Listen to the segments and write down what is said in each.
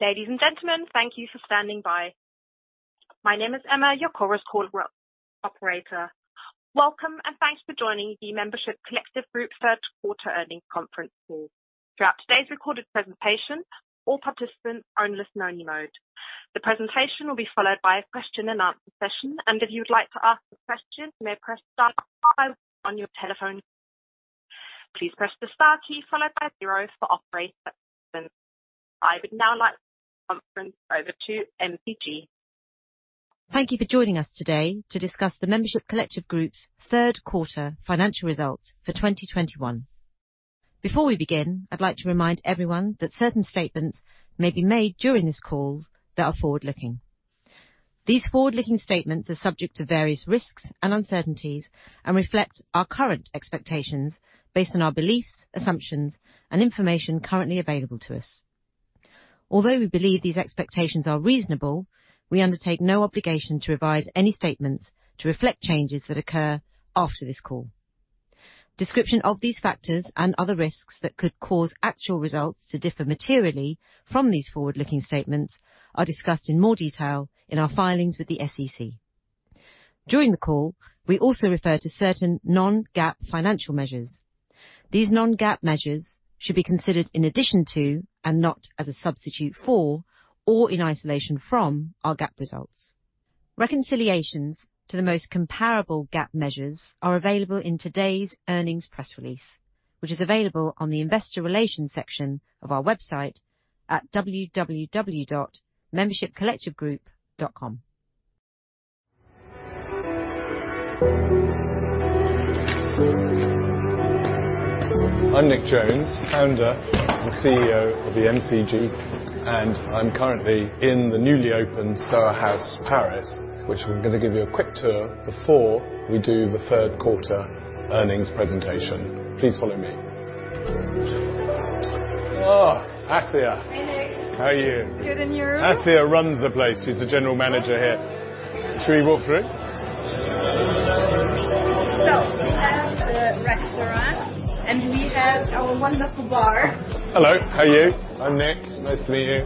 Ladies and gentlemen, thank you for standing by. My name is Emma, your Chorus Call operator. Welcome and thanks for joining the Membership Collective Group third quarter earnings conference call. Throughout today's recorded presentation, all participants are in listen-only mode. The presentation will be followed by a question and answer session. If you'd like to ask a question, you may press star on your telephone. Please press the star key followed by zero for operator assistance. I would now like to hand the conference over to MCG. Thank you for joining us today to discuss the Membership Collective Group's third quarter financial results for 2021. Before we begin, I'd like to remind everyone that certain statements may be made during this call that are forward-looking. These forward-looking statements are subject to various risks and uncertainties and reflect our current expectations based on our beliefs, assumptions, and information currently available to us. Although we believe these expectations are reasonable, we undertake no obligation to revise any statements to reflect changes that occur after this call. Description of these factors and other risks that could cause actual results to differ materially from these forward-looking statements are discussed in more detail in our filings with the SEC. During the call, we also refer to certain non-GAAP financial measures. These non-GAAP measures should be considered in addition to and not as a substitute for or in isolation from our GAAP results. Reconciliations to the most comparable GAAP measures are available in today's earnings press release, which is available on the investor relations section of our website at www.membershipcollectivegroup.com. I'm Nick Jones, Founder and CEO of the MCG, and I'm currently in the newly opened Soho House Paris, which I'm gonna give you a quick tour before we do the third quarter earnings presentation. Please follow me. Assia. Hey, Nick. How are you? Good, and you? Assia runs the place. She's the General Manager here. Should we walk through? We have the restaurant, and we have our wonderful bar. Hello. How are you? I'm Nick. Nice to meet you.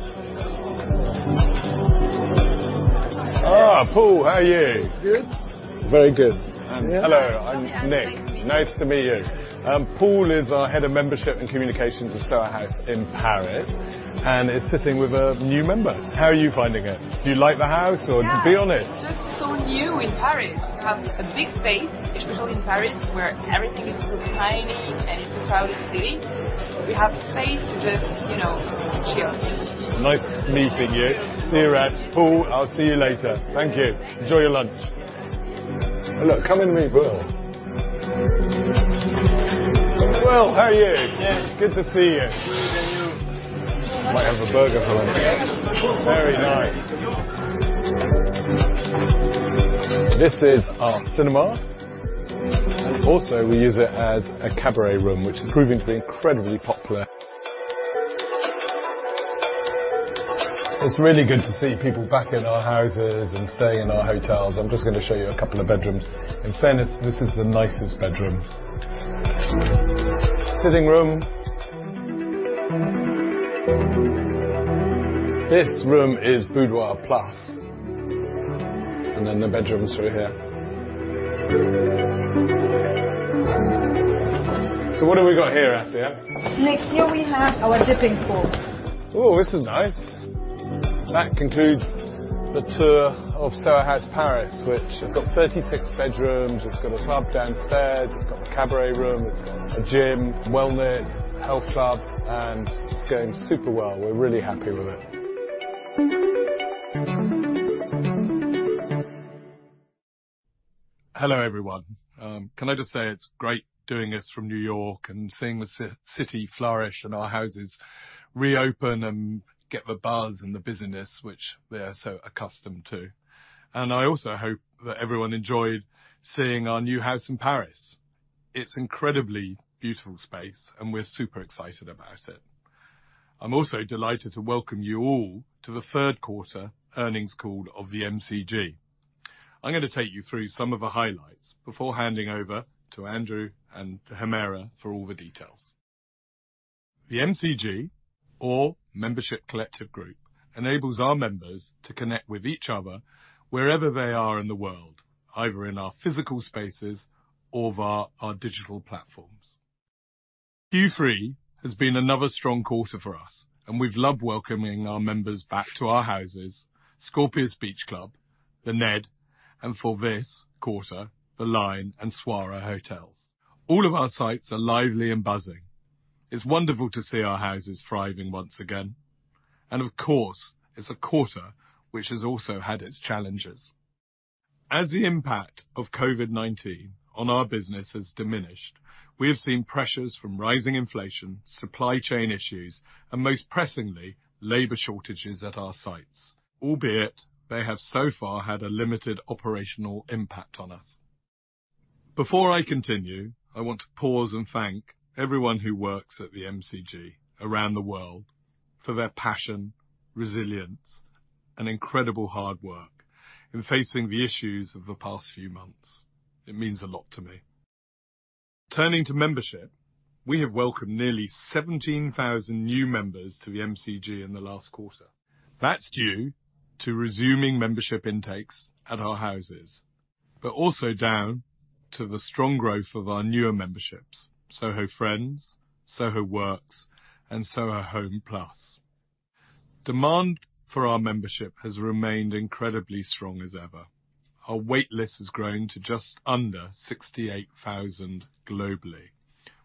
Paul, how are you? Good. Very good. Hello. Hi. I'm Nick. Nice to meet you. Paul is our head of membership and communications of Soho House in Paris, and he's sitting with a new member. How are you finding it? Do you like the house or? Be honest. Yeah. It's just so new in Paris to have a big space, especially in Paris, where everything is so tiny, and it's a crowded city. We have space to just, you know, chill. Nice meeting you. See you around. Paul, I'll see you later. Thank you. Enjoy your lunch. Oh, look. Come and meet Will. Will, how are you? Good. Good to see you. Good. You? I might have a burger for lunch. Very nice. This is our cinema. Also, we use it as a cabaret room, which is proving to be incredibly popular. It's really good to see people back in our houses and stay in our hotels. I'm just gonna show you a couple of bedrooms. In fairness, this is the nicest bedroom. Sitting room. This room is boudoir plus. And then the bedrooms are here. What have we got here, Assia? Nick, here we have our dipping pool. Ooh, this is nice. That concludes the tour of Soho House Paris, which has got 36 bedrooms. It's got a club downstairs. It's got a cabaret room. It's got a gym, wellness, health club. It's going super well. We're really happy with it. Hello, everyone. Can I just say it's great doing this from New York and seeing the city flourish and our houses reopen and get the buzz and the busyness which they are so accustomed to. I also hope that everyone enjoyed seeing our new house in Paris. It's incredibly beautiful space, and we're super excited about it. I'm also delighted to welcome you all to the third quarter earnings call of the MCG. I'm gonna take you through some of the highlights before handing over to Andrew and Humera for all the details. The MCG or Membership Collective Group enables our members to connect with each other wherever they are in the world, either in our physical spaces or via our digital platforms. Q3 has been another strong quarter for us, and we've loved welcoming our members back to our houses, Scorpios Beach Club, The Ned, and for this quarter, The LINE and Saguaro Hotels. All of our sites are lively and buzzing. It's wonderful to see our houses thriving once again. Of course, it's a quarter which has also had its challenges. As the impact of COVID-19 on our business has diminished, we have seen pressures from rising inflation, supply chain issues, and most pressingly, labor shortages at our sites. Albeit, they have so far had a limited operational impact on us. Before I continue, I want to pause and thank everyone who works at the MCG around the world for their passion, resilience, and incredible hard work in facing the issues of the past few months. It means a lot to me. Turning to membership, we have welcomed nearly 17,000 new members to the MCG in the last quarter. That's due to resuming membership intakes at our houses, but also down to the strong growth of our newer memberships, Soho Friends, Soho Works, and Soho Home+. Demand for our membership has remained incredibly strong as ever. Our wait list has grown to just under 68,000 globally,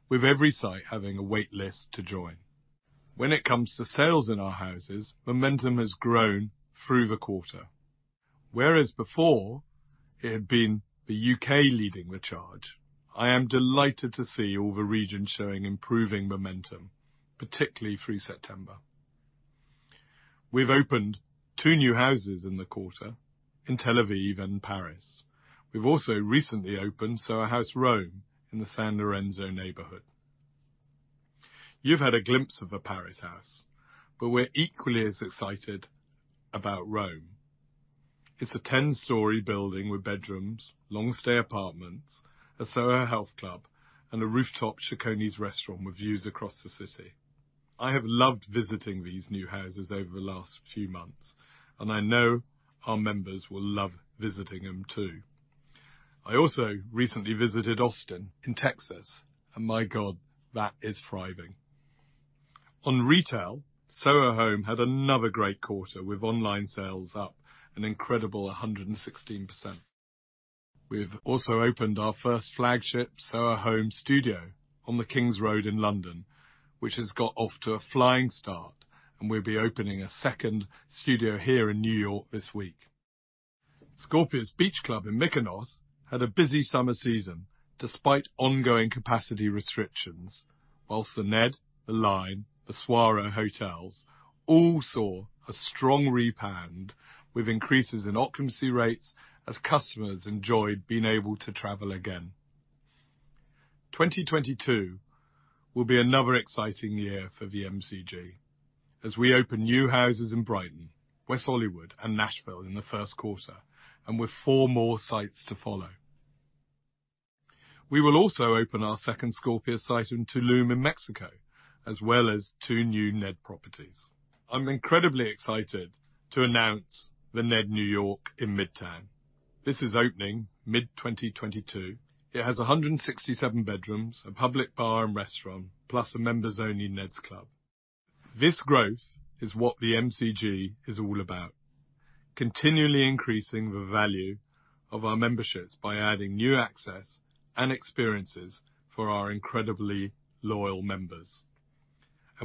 with every site having a wait list to join. When it comes to sales in our houses, momentum has grown through the quarter. Whereas before it had been the U.K. leading the charge, I am delighted to see all the regions showing improving momentum, particularly through September. We've opened two new houses in the quarter in Tel Aviv and Paris. We've also recently opened Soho House Rome in the San Lorenzo neighborhood. You've had a glimpse of the Paris house, but we're equally as excited about Rome. It's a 10-story building with bedrooms, long-stay apartments, a Soho health club, and a rooftop Cecconi's restaurant with views across the city. I have loved visiting these new houses over the last few months, and I know our members will love visiting them too. I also recently visited Austin in Texas, and my God, that is thriving. On retail, Soho Home had another great quarter with online sales up an incredible 116%. We've also opened our first flagship Soho Home Studio on the King's Road in London, which has got off to a flying start, and we'll be opening a second studio here in New York this week. Scorpios Beach Club in Mykonos had a busy summer season despite ongoing capacity restrictions. The Ned, The LINE, the Saguaro hotels all saw a strong rebound with increases in occupancy rates as customers enjoyed being able to travel again. 2022 will be another exciting year for MCG as we open new houses in Brighton, West Hollywood, and Nashville in the first quarter, and with four more sites to follow. We will also open our second Scorpios site in Tulum in Mexico, as well as two new Ned properties. I'm incredibly excited to announce The Ned New York in Midtown. This is opening mid-2022. It has 167 bedrooms, a public bar and restaurant, plus a members-only Ned's Club. This growth is what the MCG is all about. Continually increasing the value of our memberships by adding new access and experiences for our incredibly loyal members.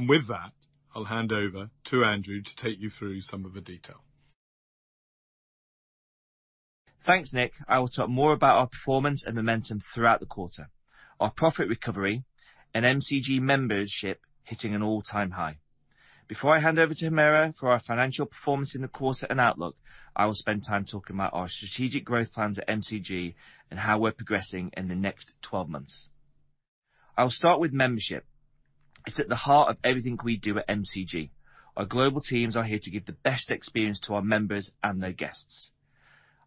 With that, I'll hand over to Andrew to take you through some of the detail. Thanks, Nick. I will talk more about our performance and momentum throughout the quarter, our profit recovery and MCG membership hitting an all-time high. Before I hand over to Humera for our financial performance in the quarter and outlook, I will spend time talking about our strategic growth plans at MCG and how we're progressing in the next twelve months. I'll start with membership. It's at the heart of everything we do at MCG. Our global teams are here to give the best experience to our members and their guests.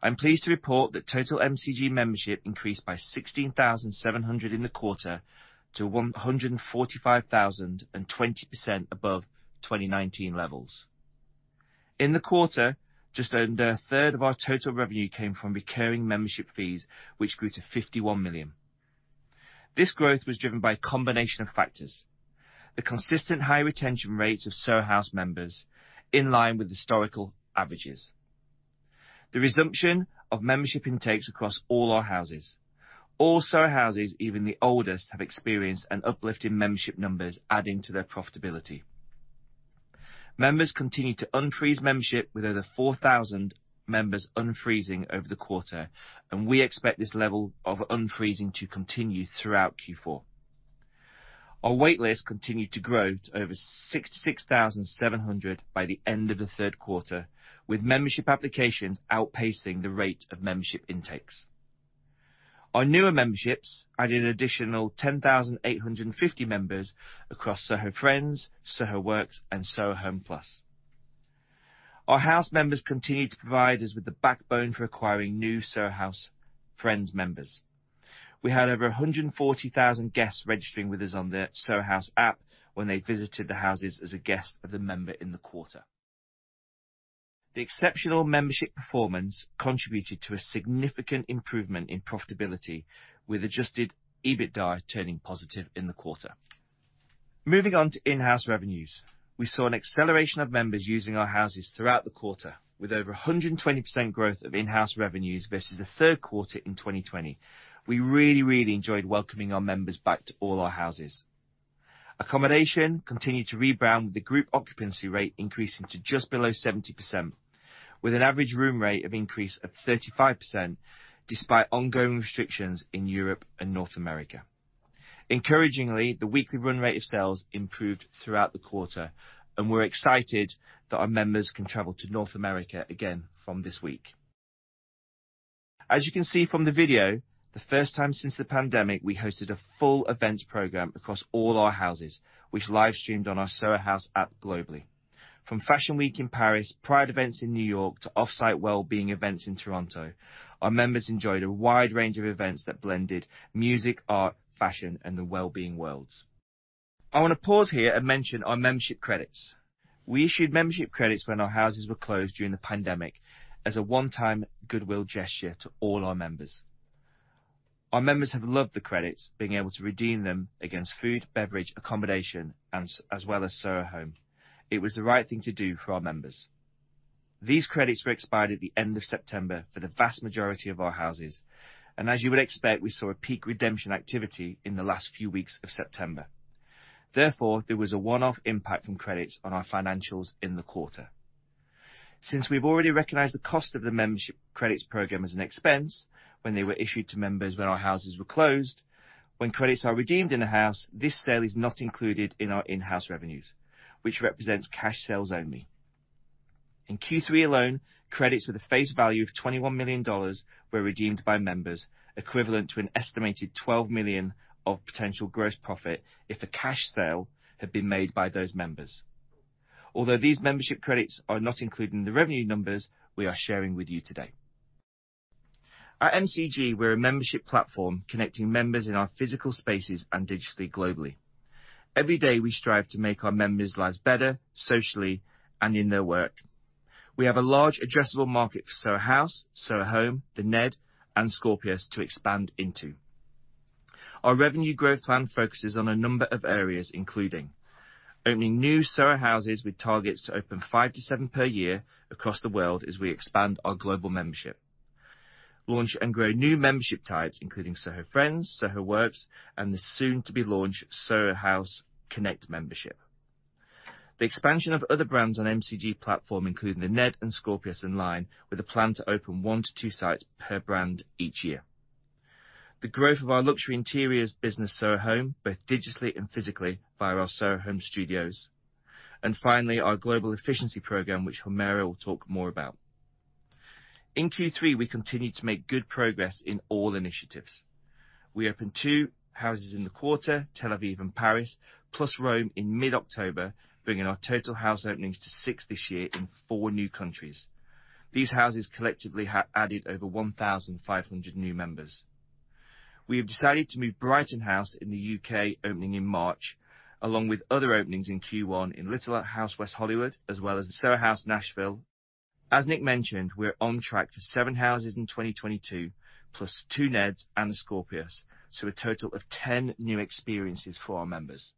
I'm pleased to report that total MCG membership increased by 16,700 in the quarter to 145,000 and 20% above 2019 levels. In the quarter, just under a third of our total revenue came from recurring membership fees, which grew to 51 million. This growth was driven by a combination of factors. The consistent high retention rates of Soho House members in line with historical averages. The resumption of membership intakes across all our houses. All Soho Houses, even the oldest, have experienced an uplift in membership numbers adding to their profitability. Members continue to unfreeze membership with over 4,000 members unfreezing over the quarter, and we expect this level of unfreezing to continue throughout Q4. Our wait list continued to grow to over 66,700 by the end of the third quarter, with membership applications outpacing the rate of membership intakes. Our newer memberships added an additional 10,850 members across Soho Friends, Soho Works, and Soho Home+. Our house members continued to provide us with the backbone for acquiring new Soho Friends members. We had over 140,000 guests registering with us on the Soho House app when they visited the houses as a guest of the member in the quarter. The exceptional membership performance contributed to a significant improvement in profitability with adjusted EBITDA turning positive in the quarter. Moving on to in-house revenues. We saw an acceleration of members using our houses throughout the quarter with over 120% growth of in-house revenues versus the third quarter in 2020. We really enjoyed welcoming our members back to all our houses. Accommodation continued to rebound, the group occupancy rate increasing to just below 70% with an average room rate increase of 35% despite ongoing restrictions in Europe and North America. Encouragingly, the weekly run rate of sales improved throughout the quarter, and we're excited that our members can travel to North America again from this week. As you can see from the video, the first time since the pandemic, we hosted a full events program across all our houses, which live-streamed on our Soho House app globally. From Fashion Week in Paris, Pride events in New York, to off-site wellbeing events in Toronto, our members enjoyed a wide range of events that blended music, art, fashion, and the wellbeing worlds. I wanna pause here and mention our membership credits. We issued membership credits when our houses were closed during the pandemic as a one-time goodwill gesture to all our members. Our members have loved the credits, being able to redeem them against food, beverage, accommodation, and as well as Soho Home. It was the right thing to do for our members. These credits were expired at the end of September for the vast majority of our houses, and as you would expect, we saw a peak redemption activity in the last few weeks of September. Therefore, there was a one-off impact from credits on our financials in the quarter. Since we've already recognized the cost of the membership credits program as an expense when they were issued to members when our houses were closed, when credits are redeemed in a house, this sale is not included in our in-house revenues, which represents cash sales only. In Q3 alone, credits with a face value of $21 million were redeemed by members, equivalent to an estimated $12 million of potential gross profit if a cash sale had been made by those members. Although these membership credits are not included in the revenue numbers we are sharing with you today. At MCG, we're a membership platform connecting members in our physical spaces and digitally globally. Every day, we strive to make our members' lives better socially and in their work. We have a large addressable market for Soho House, Soho Home, The Ned, and Scorpios to expand into. Our revenue growth plan focuses on a number of areas, including opening new Soho Houses with targets to open five to seven per year across the world as we expand our global membership, launching and growing new membership types, including Soho Friends, Soho Works, and the soon-to-be-launched Soho House Digital Membership, and the expansion of other brands on the MCG platform, including The Ned, Scorpios, and The LINE, with a plan to open one to two sites per brand each year. The growth of our luxury interiors business, Soho Home, both digitally and physically, via our Soho Home Studios. Finally, our global efficiency program, which Humera will talk more about. In Q3, we continued to make good progress in all initiatives. We opened two houses in the quarter, Tel Aviv and Paris, plus Rome in mid-October, bringing our total house openings to six this year in four new countries. These houses collectively have added over 1,500 new members. We have decided to move Brighton House in the U.K., opening in March, along with other openings in Q1 in Little House West Hollywood, as well as in Soho House, Nashville. As Nick mentioned, we're on track for seven houses in 2022, plus two Neds and a Scorpios, so a total of 10 new experiences for our members.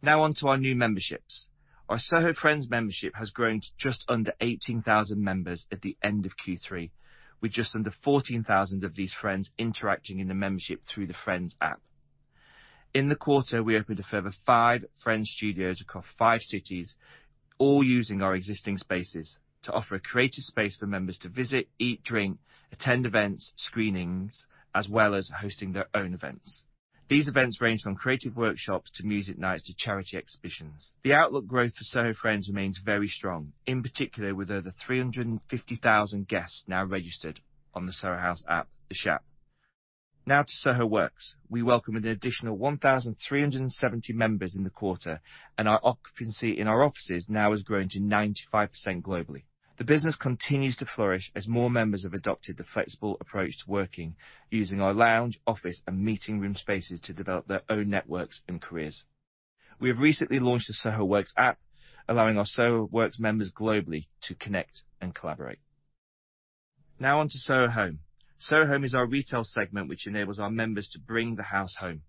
Now on to our new memberships. Our Soho Friends membership has grown to just under 18,000 members at the end of Q3, with just under 14,000 of these friends interacting in the membership through the Friends app. In the quarter, we opened a further five Friends studios across five cities, all using our existing spaces to offer a creative space for members to visit, eat, drink, attend events, screenings, as well as hosting their own events. These events range from creative workshops to music nights to charity exhibitions. The outlook growth for Soho Friends remains very strong, in particular with over 350,000 guests now registered on the Soho House app, SHAPP. Now to Soho Works. We welcome an additional 1,370 members in the quarter, and our occupancy in our offices now has grown to 95% globally. The business continues to flourish as more members have adopted the flexible approach to working using our lounge, office and meeting room spaces to develop their own networks and careers. We have recently launched the Soho Works app, allowing our Soho Works members globally to connect and collaborate. Now on to Soho Home. Soho Home is our retail segment which enables our members to bring the house home.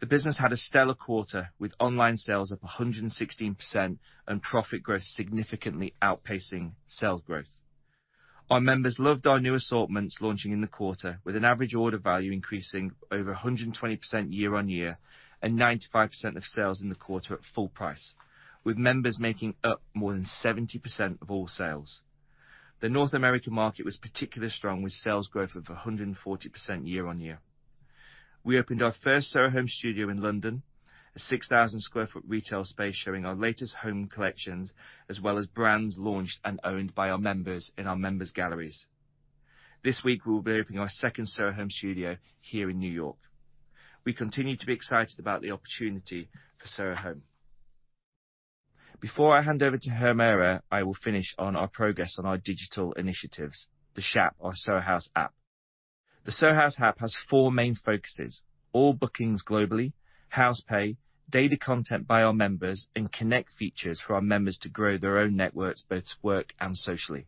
The business had a stellar quarter with online sales of 116% and profit growth significantly outpacing sales growth. Our members loved our new assortments launching in the quarter with an average order value increasing over 120% year-over-year and 95% of sales in the quarter at full price, with members making up more than 70% of all sales. The North American market was particularly strong with sales growth of 140% year-on-year. We opened our first Soho Home Studio in London, a 6,000-sq ft retail space showing our latest home collections as well as brands launched and owned by our members in our members' galleries. This week, we will be opening our second Soho Home Studio here in New York. We continue to be excited about the opportunity for Soho Home. Before I hand over to Humera, I will finish on our progress on our digital initiatives, SHAPP, our Soho House app. The Soho House app has four main focuses, all bookings globally, house pay, data content by our members, and connect features for our members to grow their own networks, both work and socially.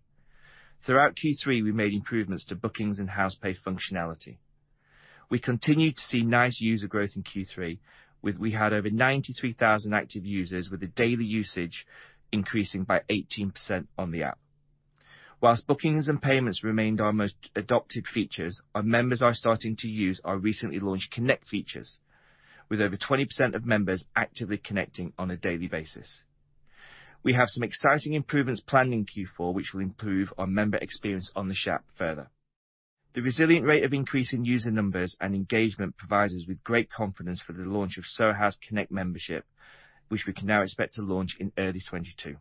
Throughout Q3, we made improvements to bookings and house pay functionality. We continued to see nice user growth in Q3 with over 93,000 active users with a daily usage increasing by 18% on the app. While bookings and payments remained our most adopted features, our members are starting to use our recently launched connect features with over 20% of members actively connecting on a daily basis. We have some exciting improvements planned in Q4, which will improve our member experience on the SHAPP further. The resilient rate of increase in user numbers and engagement provides us with great confidence for the launch of Soho House Connect Membership, which we can now expect to launch in early 2022.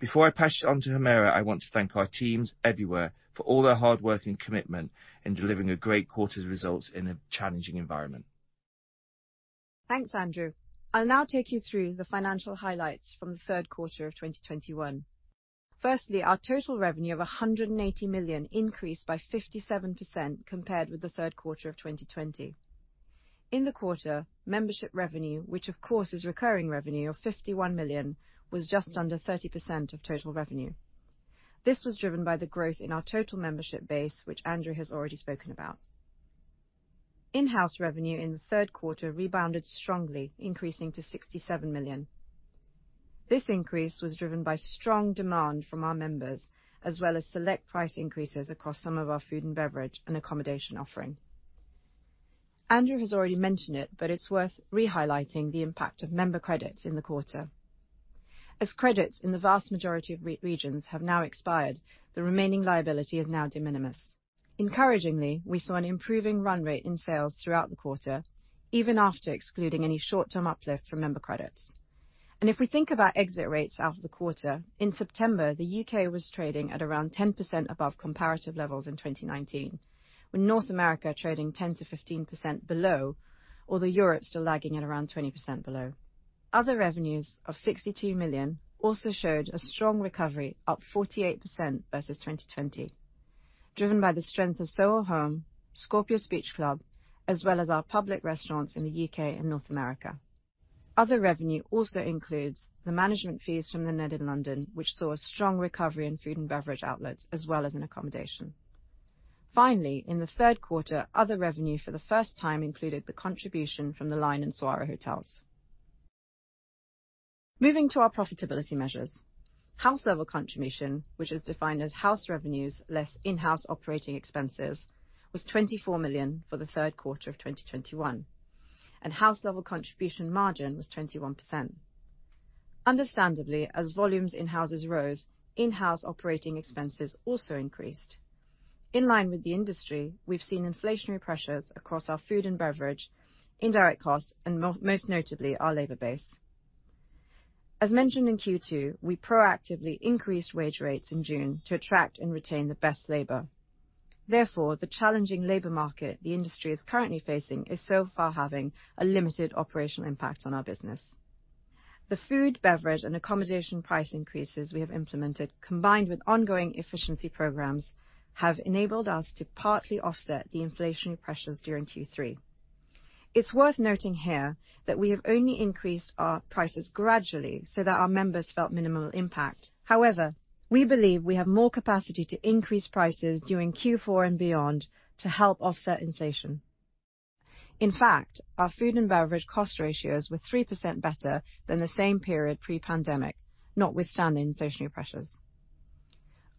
Before I pass it on to Humera, I want to thank our teams everywhere for all their hard work and commitment in delivering a great quarter's results in a challenging environment. Thanks, Andrew. I'll now take you through the financial highlights from the third quarter of 2021. Firstly, our total revenue of 180 million increased by 57% compared with the third quarter of 2020. In the quarter, membership revenue, which of course is recurring revenue of 51 million, was just under 30% of total revenue. This was driven by the growth in our total membership base, which Andrew has already spoken about. In-house revenue in the third quarter rebounded strongly, increasing to 67 million. This increase was driven by strong demand from our members, as well as select price increases across some of our food and beverage and accommodation offering. Andrew has already mentioned it, but it's worth re-highlighting the impact of member credits in the quarter. As credits in the vast majority of regions have now expired, the remaining liability is now de minimis. Encouragingly, we saw an improving run rate in sales throughout the quarter, even after excluding any short-term uplift from member credits. If we think about exit rates out of the quarter, in September, the U.K. was trading at around 10% above comparative levels in 2019, with North America trading 10%-15% below, although Europe still lagging at around 20% below. Other revenues of $62 million also showed a strong recovery, up 48% versus 2020, driven by the strength of Soho Home, Scorpios Beach Club, as well as our public restaurants in the U.K. and North America. Other revenue also includes the management fees from The Ned in London, which saw a strong recovery in food and beverage outlets, as well as in accommodation. Finally, in the third quarter, other revenue for the first time included the contribution from The LINE and Saguaro Hotels. Moving to our profitability measures. House level contribution, which is defined as house revenues less in-house operating expenses, was $24 million for the third quarter of 2021, and house level contribution margin was 21%. Understandably, as volumes in houses rose, in-house operating expenses also increased. In line with the industry, we've seen inflationary pressures across our food and beverage, indirect costs, and most notably, our labor base. As mentioned in Q2, we proactively increased wage rates in June to attract and retain the best labor. Therefore, the challenging labor market the industry is currently facing is so far having a limited operational impact on our business. The food, beverage, and accommodation price increases we have implemented, combined with ongoing efficiency programs, have enabled us to partly offset the inflationary pressures during Q3. It's worth noting here that we have only increased our prices gradually so that our members felt minimal impact. However, we believe we have more capacity to increase prices during Q4 and beyond to help offset inflation. In fact, our food and beverage cost ratios were 3% better than the same period pre-pandemic, notwithstanding inflationary pressures.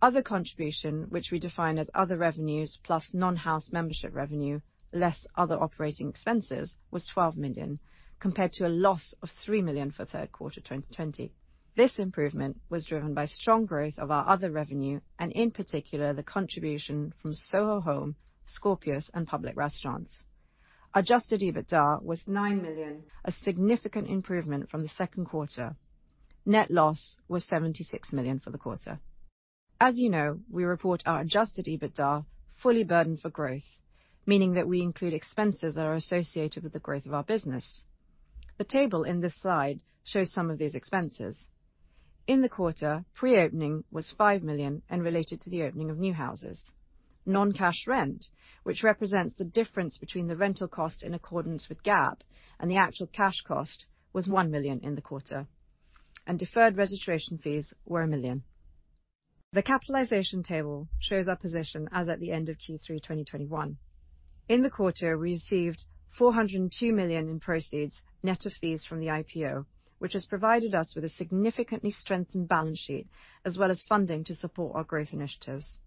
Other contribution, which we define as other revenues plus non-house membership revenue less other operating expenses was $12 million, compared to a loss of $3 million for third quarter 2020. This improvement was driven by strong growth of our other revenue and, in particular, the contribution from Soho Home, Scorpios, and public restaurants. Adjusted EBITDA was $9 million, a significant improvement from the second quarter. Net loss was 76 million for the quarter. As you know, we report our adjusted EBITDA fully burdened for growth, meaning that we include expenses that are associated with the growth of our business. The table in this slide shows some of these expenses. In the quarter, pre-opening was 5 million and related to the opening of new houses. Non-cash rent, which represents the difference between the rental cost in accordance with GAAP and the actual cash cost was 1 million in the quarter. Deferred registration fees were 1 million. The capitalization table shows our position as at the end of Q3 2021. In the quarter, we received $402 million in proceeds net of fees from the IPO, which has provided us with a significantly strengthened balance sheet as well as funding to support our growth initiatives.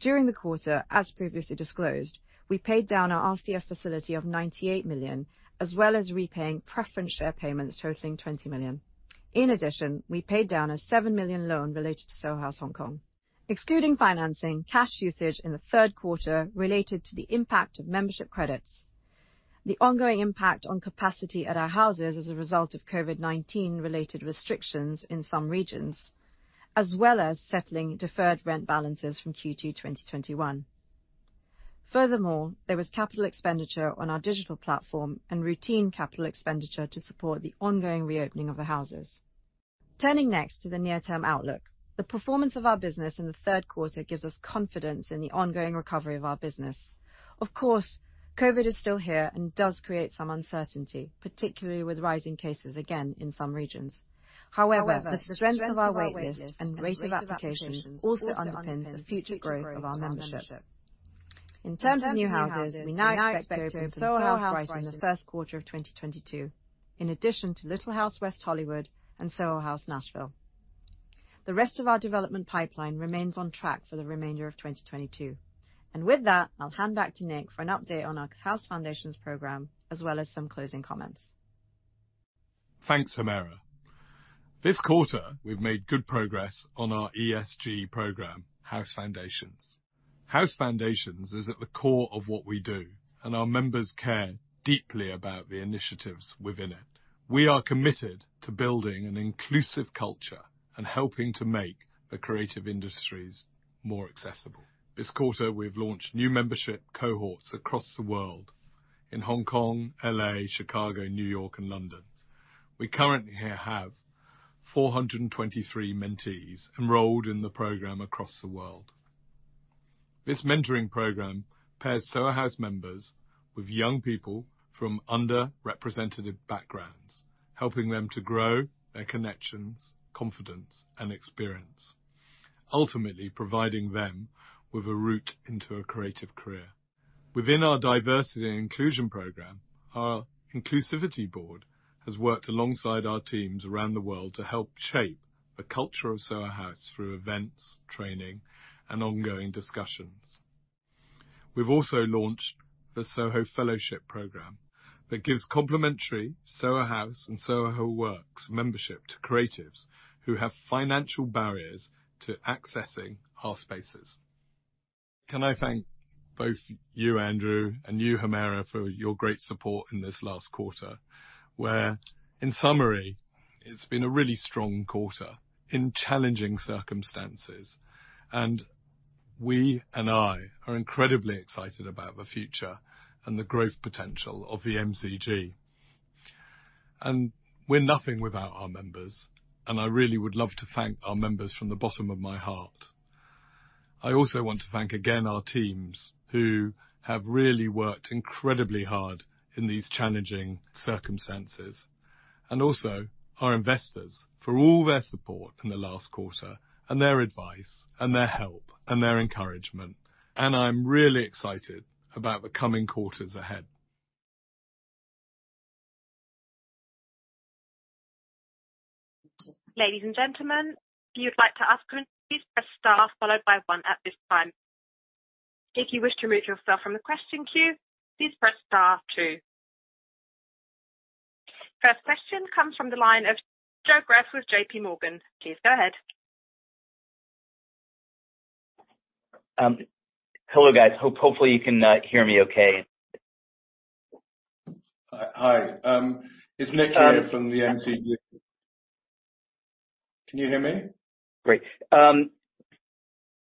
During the quarter, as previously disclosed, we paid down our RCF facility of 98 million, as well as repaying preference share payments totaling 20 million. In addition, we paid down a 7 million loan related to Soho House Hong Kong. Excluding financing, cash usage in the third quarter related to the impact of membership credits, the ongoing impact on capacity at our houses as a result of COVID-19 related restrictions in some regions, as well as settling deferred rent balances from Q2 2021. Furthermore, there was capital expenditure on our digital platform and routine capital expenditure to support the ongoing reopening of the houses. Turning next to the near-term outlook. The performance of our business in the third quarter gives us confidence in the ongoing recovery of our business. Of course, COVID is still here and does create some uncertainty, particularly with rising cases again in some regions. However, the strength of our waitlist and rate of applications also underpins the future growth of our membership. In terms of new houses, we now expect to open Soho House Brighton in the first quarter of 2022, in addition to Little House West Hollywood and Soho House Nashville. The rest of our development pipeline remains on track for the remainder of 2022. With that, I'll hand back to Nick for an update on our House Foundations program, as well as some closing comments. Thanks, Humera. This quarter, we've made good progress on our ESG program, House Foundations. House Foundations is at the core of what we do, and our members care deeply about the initiatives within it. We are committed to building an inclusive culture and helping to make the creative industries more accessible. This quarter, we've launched new membership cohorts across the world. In Hong Kong, L.A., Chicago, New York, and London. We currently have 423 mentees enrolled in the program across the world. This mentoring program pairs Soho House members with young people from underrepresented backgrounds, helping them to grow their connections, confidence, and experience, ultimately providing them with a route into a creative career. Within our diversity and inclusion program, our inclusivity board has worked alongside our teams around the world to help shape the culture of Soho House through events, training, and ongoing discussions. We've also launched the Soho Fellowship program that gives complimentary Soho House and Soho Works membership to creatives who have financial barriers to accessing our spaces. Can I thank both you, Andrew, and you, Humera, for your great support in this last quarter, where, in summary, it's been a really strong quarter in challenging circumstances. We and I are incredibly excited about the future and the growth potential of the MCG. We're nothing without our members, and I really would love to thank our members from the bottom of my heart. I also want to thank again our teams who have really worked incredibly hard in these challenging circumstances, and also our investors for all their support in the last quarter and their advice and their help and their encouragement. I'm really excited about the coming quarters ahead. Ladies and gentlemen, if you'd like to ask questions, please press star followed by one at this time. If you wish to remove yourself from the question queue, please press star two. First question comes from the line of Joe Greff with JPMorgan. Please go ahead. Hello, guys. Hopefully you can hear me okay? Hi. It's Nick here from the MCG. Can you hear me? Great.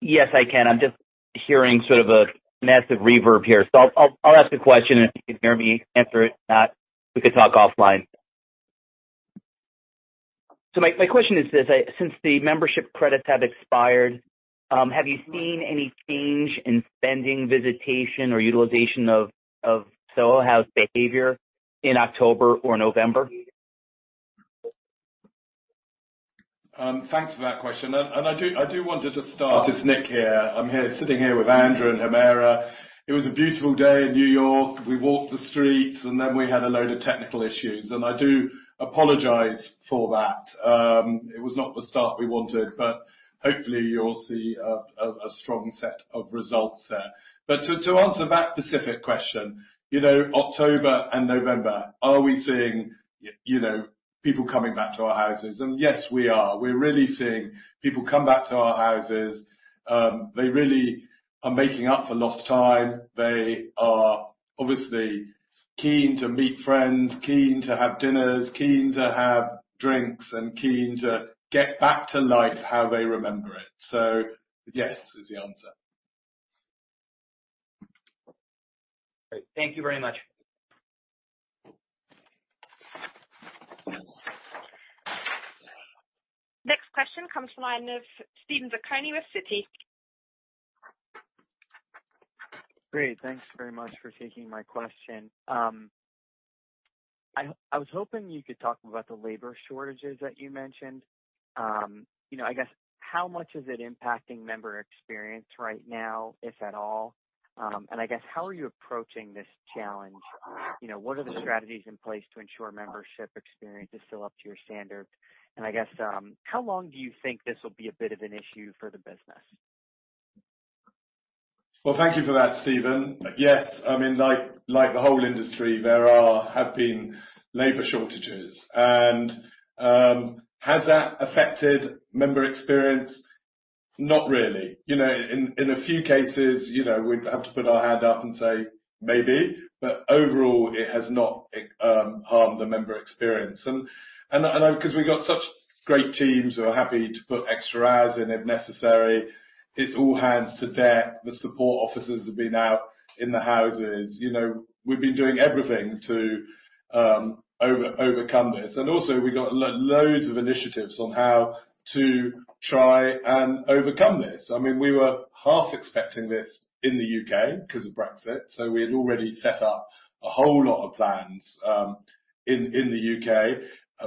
Yes, I can. I'm just hearing sort of a massive reverb here. I'll ask the question, and if you can hear me, answer it. If not, we could talk offline. My question is this. Since the membership credits have expired, have you seen any change in spending, visitation, or utilization of Soho House behavior in October or November? Thanks for that question. I want to just start. It's Nick here. I'm here sitting here with Andrew and Humera. It was a beautiful day in New York. We walked the streets, and then we had a load of technical issues. I apologize for that. It was not the start we wanted, but hopefully you'll see a strong set of results there. To answer that specific question, you know, October and November, are we seeing, you know, people coming back to our houses? Yes, we are. We're really seeing people come back to our houses. They really are making up for lost time. They are obviously keen to meet friends, keen to have dinners, keen to have drinks, and keen to get back to life how they remember it. Yes is the answer. Great. Thank you very much. Next question comes from the line of Steven Zaccone with Citi. Great. Thanks very much for taking my question. I was hoping you could talk about the labor shortages that you mentioned. You know, I guess how much is it impacting member experience right now, if at all? And I guess how are you approaching this challenge? You know, what are the strategies in place to ensure membership experience is still up to your standards? I guess, how long do you think this will be a bit of an issue for the business? Well, thank you for that, Steven. Yes. I mean, like the whole industry, there have been labor shortages. Has that affected member experience? Not really. You know, in a few cases, you know, we've had to put our hand up and say, maybe. Overall, it has not harmed the member experience. I 'cause we've got such great teams who are happy to put extra hours in if necessary. It's all hands on deck. The support officers have been out in the houses. You know, we've been doing everything to overcome this. Also, we've got loads of initiatives on how to try and overcome this. I mean, we were half expecting this in the U.K. 'cause of Brexit, so we had already set up a whole lot of plans in the U.K.,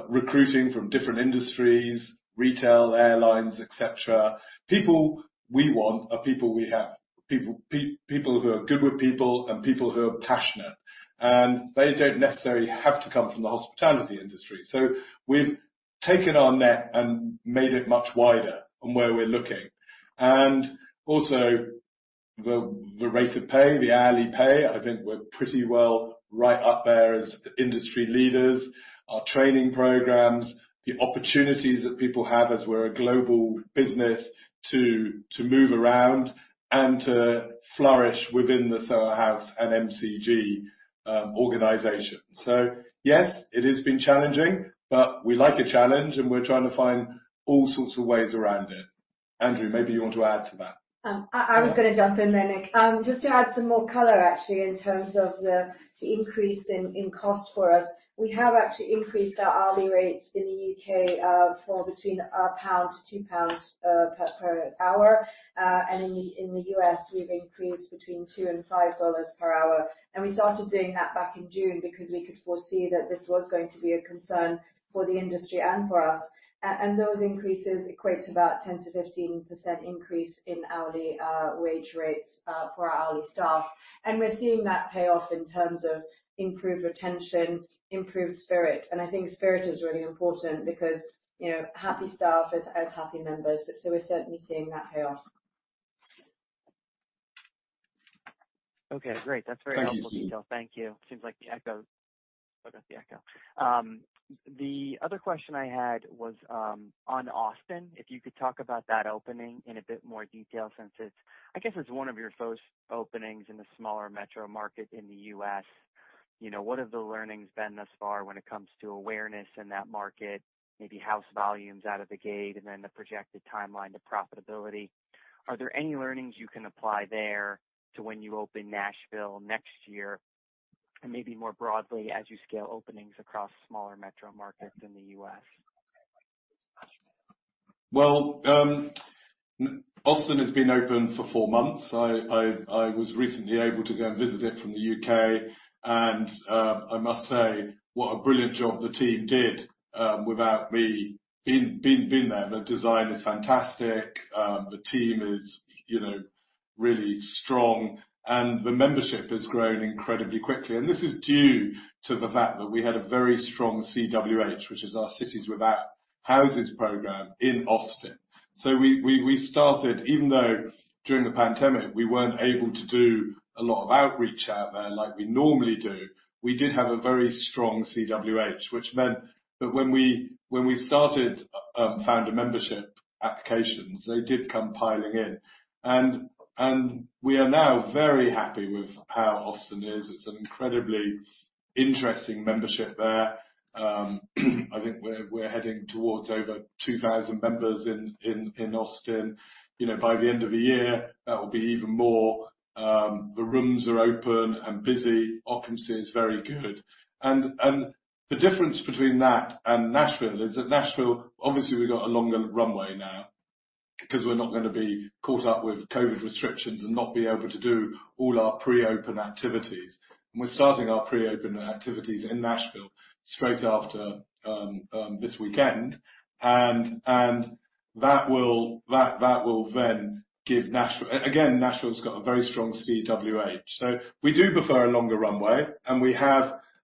recruiting from different industries, retail, airlines, et cetera. People we want are people we have. People who are good with people and people who are passionate, and they don't necessarily have to come from the hospitality industry. So we've taken our net and made it much wider on where we're looking. Also, the rate of pay, the hourly pay, I think we're pretty well right up there as industry leaders. Our training programs, the opportunities that people have as we're a global business to move around and to flourish within the Soho House and MCG organization. Yes, it has been challenging, but we like a challenge, and we're trying to find all sorts of ways around it. Andrew, maybe you want to add to that. I was gonna jump in there, Nick. Just to add some more color actually in terms of the increase in cost for us. We have actually increased our hourly rates in the U.K. for between GBP 1 to 2 pounds per hour. In the U.S., we've increased between $2 and $5 per hour. We started doing that back in June because we could foresee that this was going to be a concern for the industry and for us. Those increases equate to about 10%-15% increase in hourly wage rates for our hourly staff. We're seeing that pay off in terms of improved retention, improved spirit. I think spirit is really important because, you know, happy staff is as happy members. We're certainly seeing that pay off. Okay, great. That's very helpful detail. Thank you. Seems like the echo. Still got the echo. The other question I had was on Austin, if you could talk about that opening in a bit more detail since I guess it's one of your first openings in the smaller metro market in the U.S. You know, what have the learnings been thus far when it comes to awareness in that market, maybe house volumes out of the gate and then the projected timeline to profitability? Are there any learnings you can apply there to when you open Nashville next year and maybe more broadly as you scale openings across smaller metro markets in the U.S.? Austin has been open for four months. I was recently able to go and visit it from the U.K. I must say what a brilliant job the team did without me being there. The design is fantastic. The team is, you know, really strong, and the membership has grown incredibly quickly. This is due to the fact that we had a very strong CWH, which is our Cities Without Houses program in Austin. Even though during the pandemic, we weren't able to do a lot of outreach out there like we normally do, we did have a very strong CWH, which meant that when we started founder membership applications, they did come piling in. We are now very happy with how Austin is. It's an incredibly interesting membership there. I think we're heading towards over 2,000 members in Austin. You know, by the end of the year, that will be even more. The rooms are open and busy. Occupancy is very good. The difference between that and Nashville is that Nashville, obviously we've got a longer runway now because we're not gonna be caught up with COVID restrictions and not be able to do all our pre-open activities. We're starting our pre-open activities in Nashville straight after this weekend. That will then give Nashville. Again, Nashville's got a very strong CWH. We do prefer a longer runway, and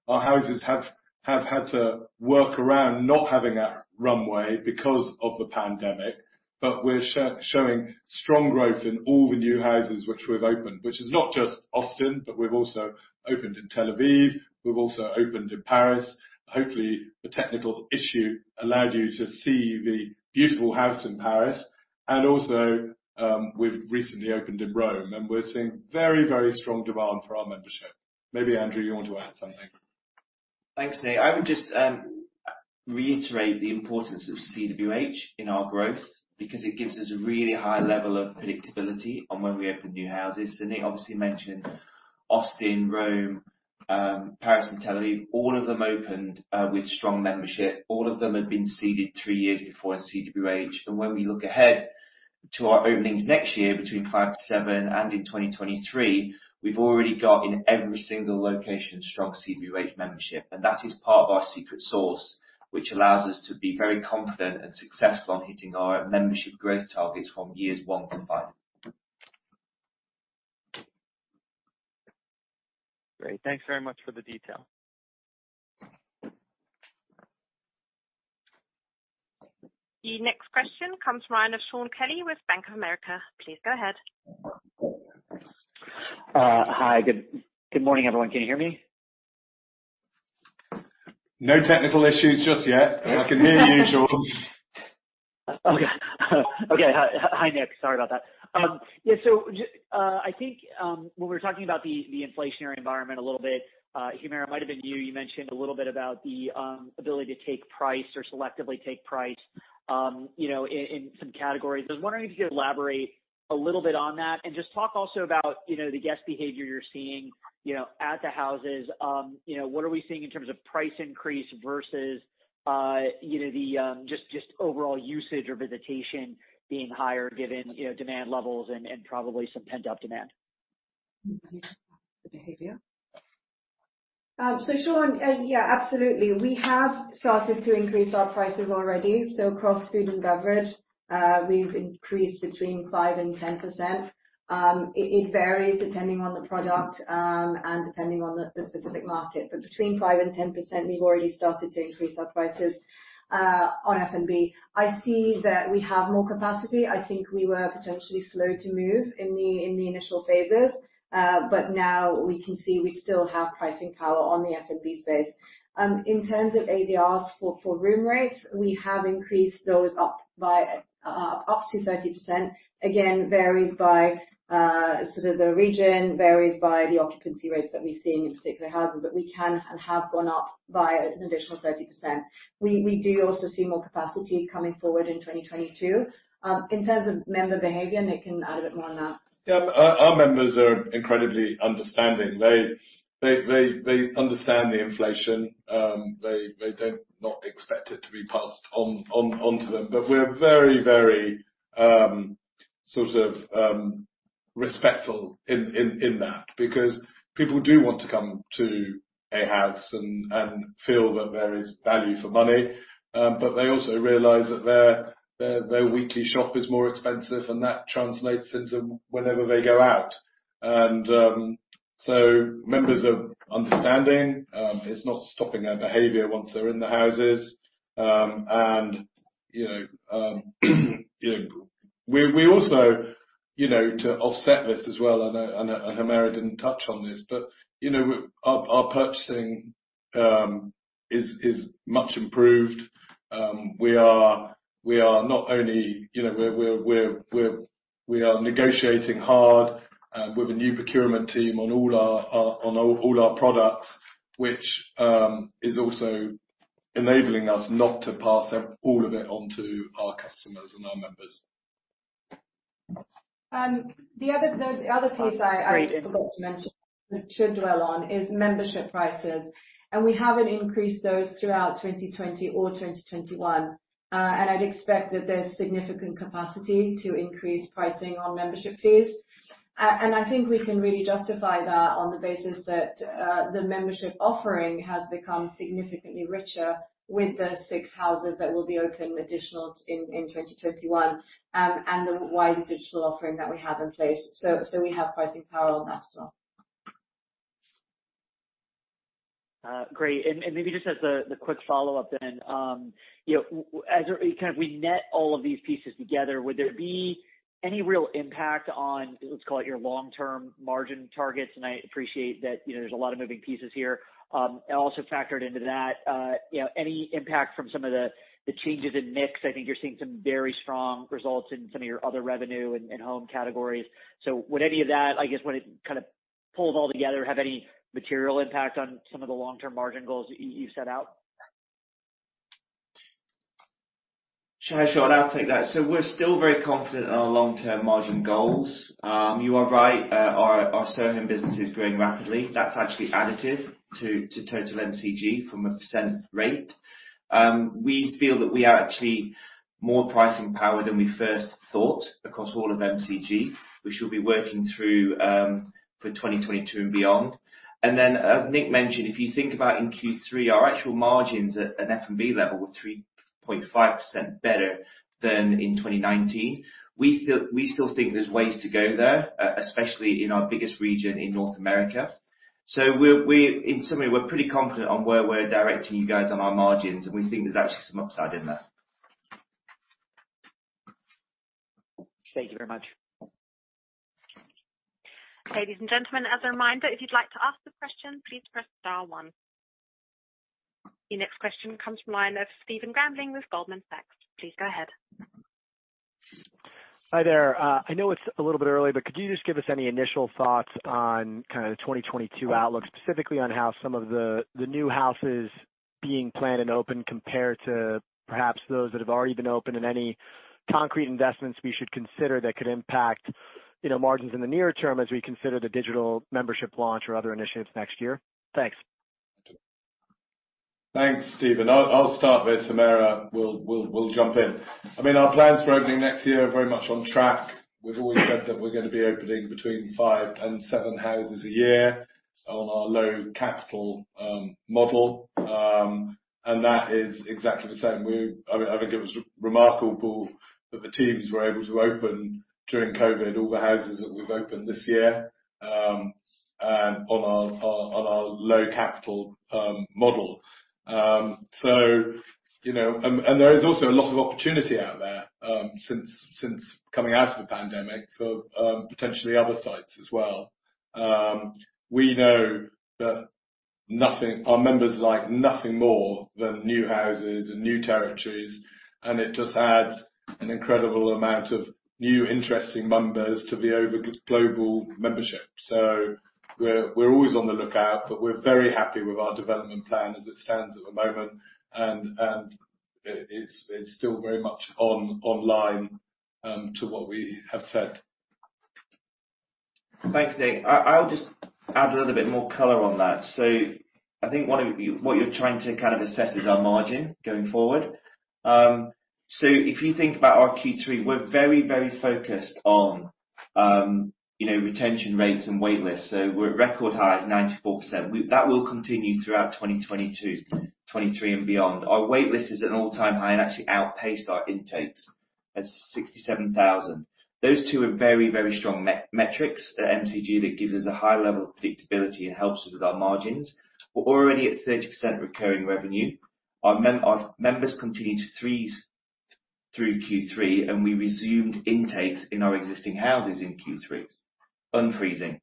Our houses have had to work around not having a runway because of the pandemic, but we're showing strong growth in all the new houses which we've opened, which is not just Austin, but we've also opened in Tel Aviv, we've also opened in Paris. Hopefully, the technical issue allowed you to see the beautiful house in Paris. We've recently opened in Rome, and we're seeing very, very strong demand for our membership. Maybe, Andrew, you want to add something. Thanks, Nick. I would just reiterate the importance of CWH in our growth because it gives us a really high level of predictability on when we open new houses. Nick obviously mentioned Austin, Rome, Paris, and Tel Aviv. All of them opened with strong membership. All of them had been seeded three years before in CWH. When we look ahead to our openings next year between 5-7 and in 2023, we've already got in every single location strong CWH membership. That is part of our secret sauce, which allows us to be very confident and successful on hitting our membership growth targets from years one to five. Great. Thanks very much for the detail. The next question comes from the line of Shaun Kelley with Bank of America. Please go ahead. Hi. Good morning, everyone. Can you hear me? No technical issues just yet. I can hear you, Shaun. Okay. Hi, Nick. Sorry about that. Yeah, so I think, when we're talking about the inflationary environment a little bit, Humera, it might have been you mentioned a little bit about the ability to take price or selectively take price, you know, in some categories. I was wondering if you could elaborate a little bit on that and just talk also about, you know, the guest behavior you're seeing, you know, at the houses. You know, what are we seeing in terms of price increase versus, you know, the just overall usage or visitation being higher given, you know, demand levels and probably some pent-up demand? The behavior. Shaun, yeah, absolutely. We have started to increase our prices already. Across food and beverage, we've increased between 5% and 10%. It varies depending on the product, and depending on the specific market. Between 5% and 10%, we've already started to increase our prices on F&B. I see that we have more capacity. I think we were potentially slow to move in the initial phases, but now we can see we still have pricing power on the F&B space. In terms of ADRs for room rates, we have increased those up by up to 30%. Again, varies by sort of the region, varies by the occupancy rates that we're seeing in particular houses, but we can and have gone up by an additional 30%. We do also see more capacity coming forward in 2022. In terms of member behavior, Nick can add a bit more on that. Yeah. Our members are incredibly understanding. They understand the inflation. They don't expect it to be passed on to them. We're very sort of respectful in that because people do want to come to a house and feel that there is value for money. They also realize that their weekly shop is more expensive, and that translates into whenever they go out. Members are understanding. It's not stopping their behavior once they're in the houses. You know, we also, you know, to offset this as well, and Humera didn't touch on this, but you know, our purchasing is much improved. We are not only... You know, we are negotiating hard with a new procurement team on all our products, which is also enabling us not to pass all of it on to our customers and our members. The other piece I forgot to mention, which I'll dwell on, is membership prices, and we haven't increased those throughout 2020 or 2021. I'd expect that there's significant capacity to increase pricing on membership fees. I think we can really justify that on the basis that the membership offering has become significantly richer with the six houses that will be open additional in 2021 and the wider digital offering that we have in place. We have pricing power on that as well. Great. Maybe just as the quick follow-up then, you know, as we net all of these pieces together, would there be any real impact on, let's call it, your long-term margin targets? I appreciate that, you know, there's a lot of moving pieces here. Also factored into that, you know, any impact from some of the changes in mix. I think you're seeing some very strong results in some of your other revenue and home categories. Would any of that, I guess, when it kind of pulls all together, have any material impact on some of the long-term margin goals you set out? Sure, Shaun, I'll take that. We're still very confident in our long-term margin goals. You are right. Our Soho Home business is growing rapidly. That's actually additive to total MCG from a percent rate. We feel that we are actually more pricing power than we first thought across all of MCG, which we'll be working through for 2022 and beyond. As Nick mentioned, if you think about in Q3, our actual margins at F&B level were 3.5% better than in 2019. We still think there's ways to go there, especially in our biggest region in North America. In summary, we're pretty confident on where we're directing you guys on our margins, and we think there's actually some upside in there. Thank you very much. Ladies and gentlemen, as a reminder, if you'd like to ask a question, please press star one. Your next question comes from the line of Stephen Grambling with Goldman Sachs. Please go ahead. Hi, there i know its a little bit early but can you give us Thanks, Stephen. I'll start with it. Humera will jump in. I mean, our plans for opening next year are very much on track. We've always said that we're gonna be opening between five and seven houses a year on our low capital model. And that is exactly the same. I think it was remarkable that the teams were able to open during COVID all the houses that we've opened this year, and on our low capital model. You know, there is also a lot of opportunity out there since coming out of the pandemic for potentially other sites as well. We know that our members like nothing more than new houses and new territories, and it just adds an incredible amount of new, interesting members to the global membership. We're always on the lookout, but we're very happy with our development plan as it stands at the moment. It's still very much online to what we have said. Thanks, Nick. I'll just add a little bit more color on that. I think what you're trying to kind of assess is our margin going forward. If you think about our Q3, we're very, very focused on, you know, retention rates and wait lists. We're at record highs, 94%. That will continue throughout 2022, 2023 and beyond. Our wait list is at an all-time high and actually outpaced our intakes at 67,000. Those two are very, very strong metrics at MCG that gives us a high level of predictability and helps us with our margins. We're already at 30% recurring revenue. Our members continued to freeze through Q3, and we resumed intakes in our existing houses in Q3, unfreezing.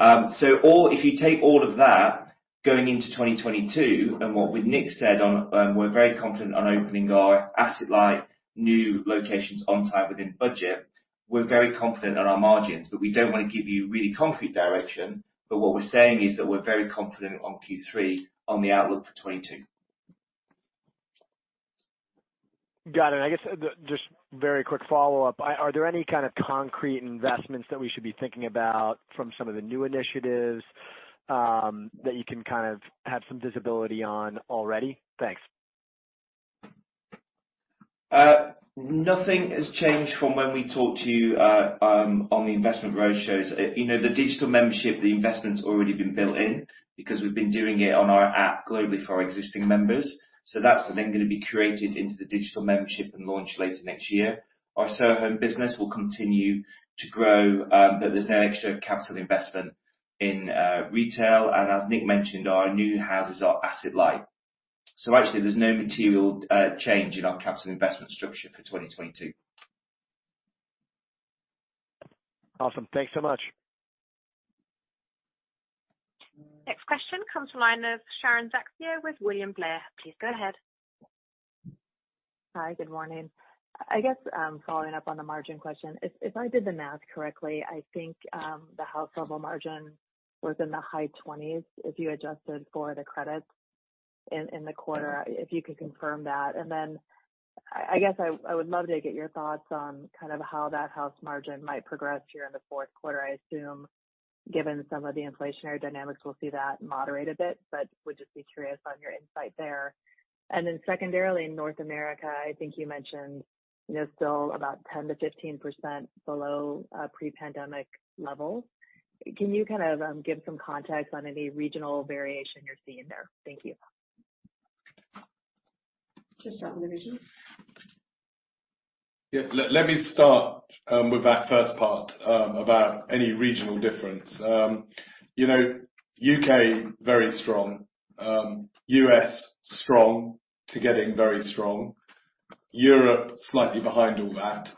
If you take all of that going into 2022 and what Nick said on, we're very confident on opening our asset-light new locations on time within budget, we're very confident on our margins. We don't want to give you really concrete direction, but what we're saying is that we're very confident on Q3 on the outlook for 2022. Got it. I guess just very quick follow-up. Are there any kind of concrete investments that we should be thinking about from some of the new initiatives that you can kind of have some visibility on already? Thanks. Nothing has changed from when we talked to you on the investment roadshows. You know, the digital membership, the investment's already been built in because we've been doing it on our app globally for our existing members. That's then gonna be created into the digital membership and launch later next year. Our Soho Home business will continue to grow, but there's no extra capital investment in retail. As Nick mentioned, our new houses are asset light. Actually there's no material change in our capital investment structure for 2022. Awesome. Thanks so much. Next question comes from line of Sharon Zackfia with William Blair. Please go ahead. Hi, good morning. I guess following up on the margin question. If I did the math correctly, I think the house level margin was in the high 20s if you adjusted for the credits in the quarter, if you could confirm that. I guess I would love to get your thoughts on kind of how that house margin might progress here in the fourth quarter. I assume, given some of the inflationary dynamics, we'll see that moderate a bit, but would just be curious on your insight there. Secondarily, in North America, I think you mentioned, you know, still about 10%-15% below pre-pandemic levels. Can you kind of give some context on any regional variation you're seeing there? Thank you. Just on the region? Yeah. Let me start with that first part about any regional difference. You know, U.K., very strong. U.S., strong to getting very strong. Europe, slightly behind all that,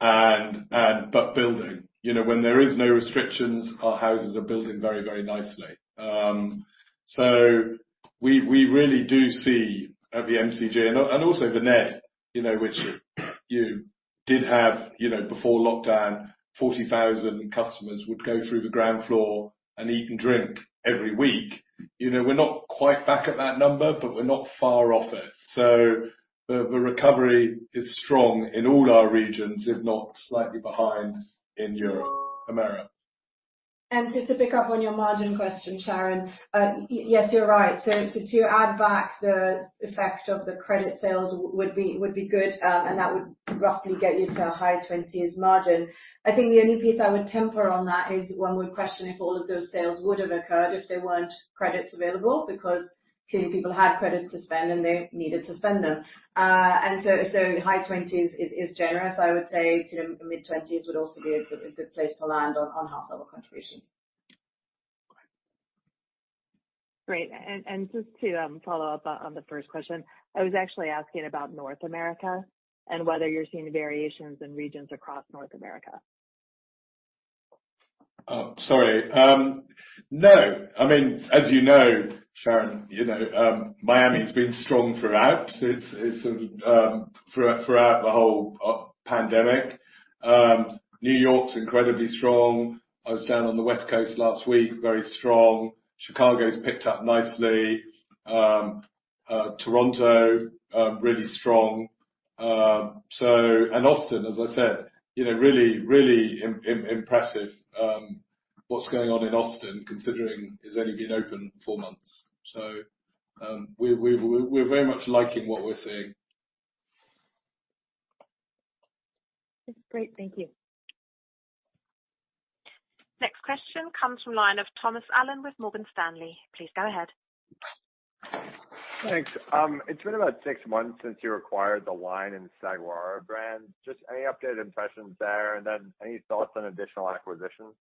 and but building. You know, when there is no restrictions, our houses are building very, very nicely. So we really do see at the MCG and also the Ned, you know, which you did have, you know, before lockdown, 40,000 customers would go through the ground floor and eat and drink every week. You know, we're not quite back at that number, but we're not far off it. So the recovery is strong in all our regions, if not slightly behind in Europe, America. To pick up on your margin question, Sharon, yes, you're right. To add back the effect of the credit sales would be good, and that would roughly get you to a high-20s margin. I think the only piece I would temper on that is one would question if all of those sales would have occurred if there weren't credits available because clearly people had credits to spend and they needed to spend them. High-20s is generous, I would say. Sort of mid-20s would also be a good place to land on house level contributions. Great. Just to follow up on the first question, I was actually asking about North America and whether you're seeing variations in regions across North America. Oh, sorry. No. I mean, as you know, Sharon, you know, Miami has been strong throughout. It's throughout the whole pandemic. New York's incredibly strong. I was down on the West Coast last week, very strong. Chicago's picked up nicely. Toronto, really strong. And Austin, as I said, you know, really impressive what's going on in Austin, considering it's only been open four months. We're very much liking what we're seeing. Great. Thank you. Next question comes from line of Thomas Allen with Morgan Stanley. Please go ahead. Thanks. It's been about six months since you acquired The LINE and Saguaro Hotels. Just any updated impressions there, and then any thoughts on additional acquisitions?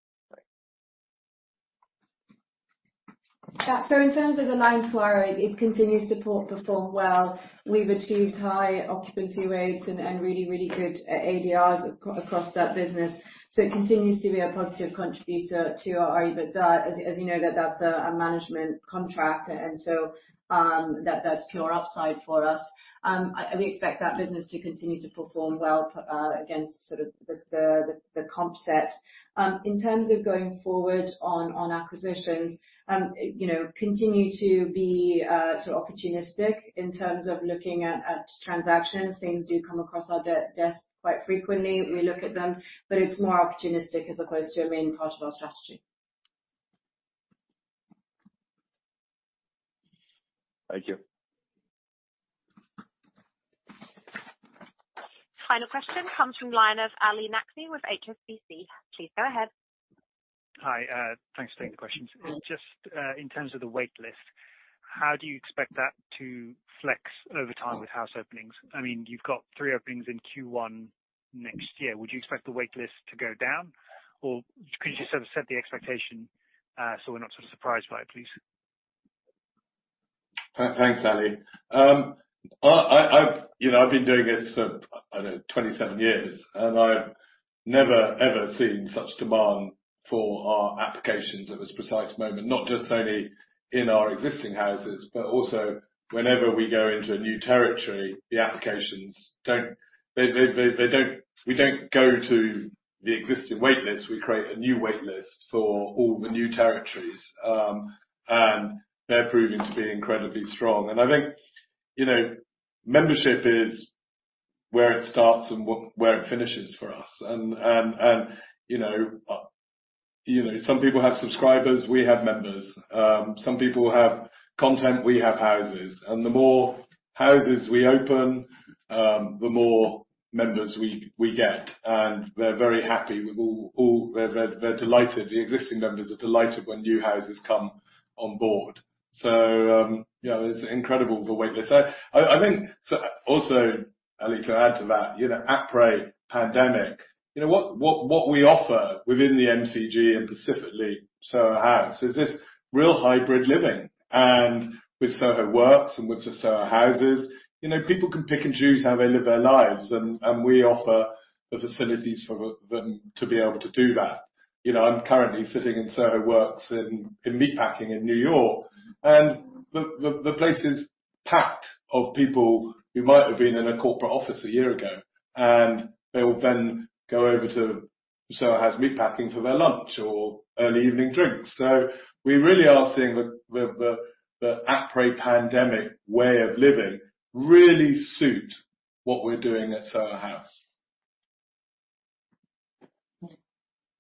Thanks. Yeah. In terms of The LINE Saguaro, it continues to perform well. We've achieved high occupancy rates and really good ADRs across that business. It continues to be a positive contributor to our EBITDA. As you know, that's a management contract, and that's pure upside for us. We expect that business to continue to perform well against sort of the comp set. In terms of going forward on acquisitions, you know, continue to be sort of opportunistic in terms of looking at transactions. Things do come across our desk quite frequently. We look at them, but it's more opportunistic as opposed to a main part of our strategy. Thank you. Final question comes from line of Ali Naqvi with HSBC. Please go ahead. Hi. Thanks for taking the questions. Just, in terms of the wait list, how do you expect that to flex over time with house openings? I mean, you've got three openings in Q1 next year. Would you expect the wait list to go down? Or could you sort of set the expectation, so we're not sort of surprised by it, please? Thanks, Ali. I've been doing this for, I don't know, 27 years, and I've never seen such demand for our applications at this precise moment, not just only in our existing houses, but also whenever we go into a new territory, we don't go to the existing wait list. We create a new wait list for all the new territories, and they're proving to be incredibly strong. I think, you know, membership is where it starts and where it finishes for us. You know, some people have subscribers, we have members. Some people have content, we have houses. The more houses we open, the more members we get. They're delighted. The existing members are delighted when new houses come on board. You know, it's incredible the way this. I think so also, Ali, to add to that, you know, post-pandemic, you know, what we offer within the MCG and specifically Soho House is this real hybrid living and with Soho Works and with the Soho Houses, you know, people can pick and choose how they live their lives, and we offer the facilities for them to be able to do that. You know, I'm currently sitting in Soho Works in Meatpacking, in New York, and the place is packed with people who might have been in a corporate office a year ago, and they will then go over to Soho House Meatpacking for their lunch or early evening drinks. We really are seeing the post-pandemic way of living really suit what we're doing at Soho House.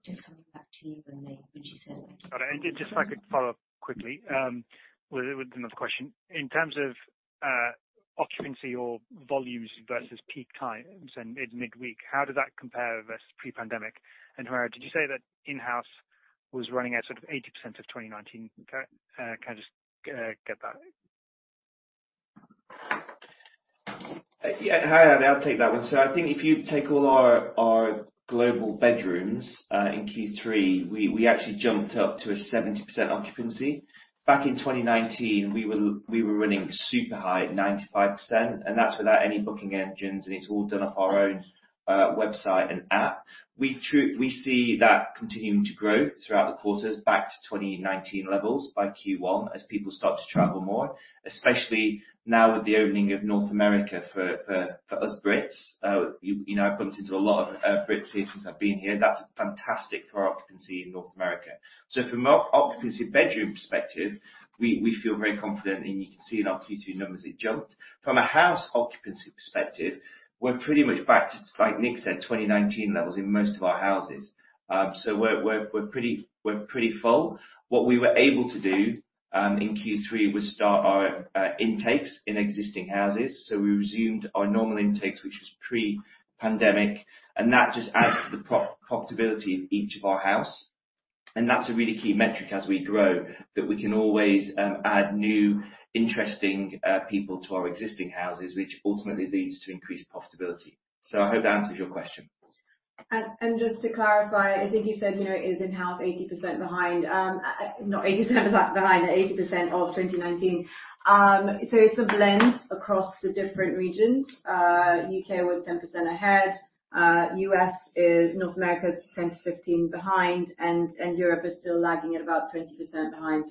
Just coming back to you, Ali, when she says— Sorry. If I could follow up quickly with another question. In terms of occupancy or volumes versus peak times and midweek, how did that compare versus pre-pandemic? Humera, did you say that in-house was running at sort of 80% of 2019? Can I just get that? Yeah. Hi. I'll take that one, sir. I think if you take all our global bedrooms in Q3, we actually jumped up to 70% occupancy. Back in 2019, we were running super high at 95%, and that's without any booking engines, and it's all done off our own website and app. We see that continuing to grow throughout the quarters back to 2019 levels by Q1 as people start to travel more, especially now with the opening of North America for us Brits. You know, I've bumped into a lot of Brits here since I've been here. That's fantastic for our occupancy in North America. From occupancy bedroom perspective, we feel very confident, and you can see in our Q2 numbers it jumped. From a house occupancy perspective, we're pretty much back to, like Nick said, 2019 levels in most of our houses. We're pretty full. What we were able to do in Q3 was start our intakes in existing houses. We resumed our normal intakes, which was pre-pandemic, and that just adds to the per-house profitability of each of our houses. That's a really key metric as we grow, that we can always add new, interesting people to our existing houses, which ultimately leads to increased profitability. I hope that answers your question. Just to clarify, I think you said, you know, is 80% of 2019. It's a blend across the different regions. U.K. was 10% ahead. North America is 10%-15% behind, and Europe is still lagging at about 20% behind.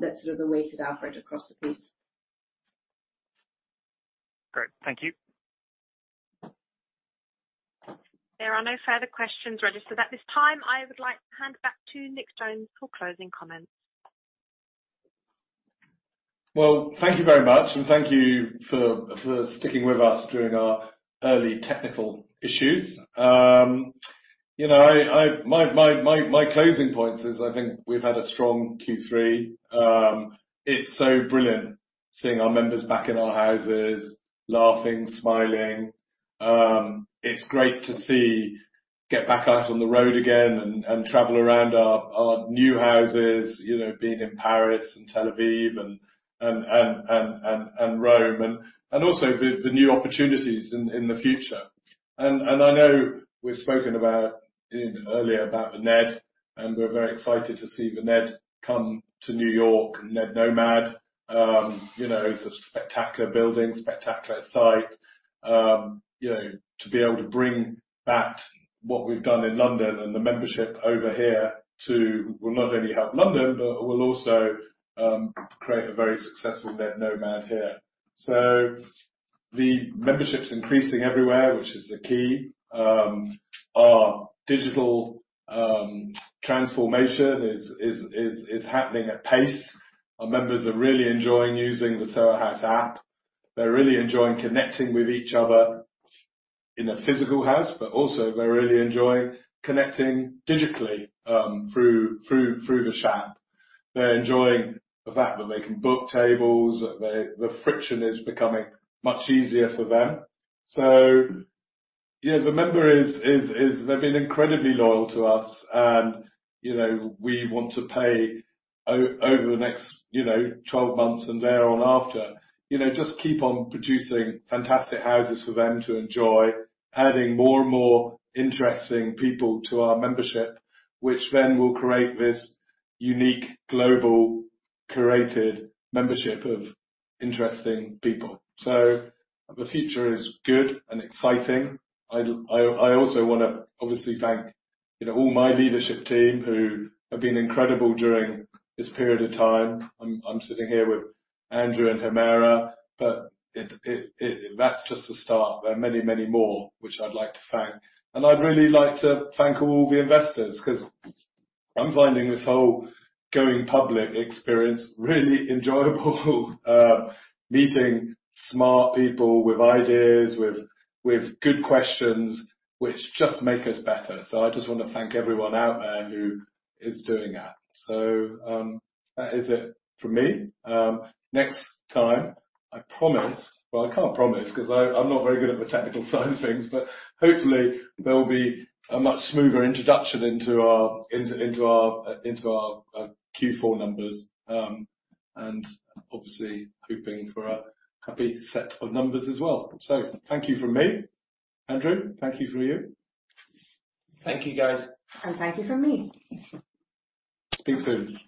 That's sort of the weighted average across the piece. Great. Thank you. There are no further questions registered at this time. I would like to hand back to Nick Jones for closing comments. Well, thank you very much, and thank you for sticking with us during our early technical issues. You know, my closing points is I think we've had a strong Q3. It's so brilliant seeing our members back in our houses laughing, smiling. It's great to see get back out on the road again and travel around our new houses, you know, being in Paris and Tel Aviv and Rome and also the new opportunities in the future. I know we've spoken about, you know, earlier about The Ned, and we're very excited to see The Ned come to New York, The Ned NoMad. You know, it's a spectacular building, spectacular site. You know, to be able to bring back what we've done in London and the membership over here, too, will not only help London, but will also create a very successful Ned NoMad here. The membership's increasing everywhere, which is the key. Our digital transformation is happening at pace. Our members are really enjoying using the Soho House app. They're really enjoying connecting with each other in a physical house, but also they're really enjoying connecting digitally through the chat. They're enjoying the fact that they can book tables. The friction is becoming much easier for them. Yeah, the membership is They've been incredibly loyal to us and, you know, we want to pay over the next, you know, twelve months and thereafter, you know, just keep on producing fantastic houses for them to enjoy, adding more and more interesting people to our membership, which then will create this unique global curated membership of interesting people. The future is good and exciting. I'd also wanna obviously thank, you know, all my leadership team who have been incredible during this period of time. I'm sitting here with Andrew and Humera, but it. That's just the start. There are many more which I'd like to thank. I'd really like to thank all the investors 'cause I'm finding this whole going public experience really enjoyable. Meeting smart people with ideas, with good questions which just make us better. I just wanna thank everyone out there who is doing that. That is it for me. Next time, I promise. Well, I can't promise 'cause I'm not very good at the technical side of things, but hopefully there will be a much smoother introduction into our Q4 numbers, and obviously hoping for a happy set of numbers as well. Thank you from me. Andrew, thank you from you. Thank you, guys. Thank you from me. Speak soon.